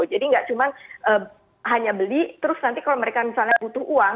jadi nggak cuma hanya beli terus nanti kalau mereka misalnya butuh uang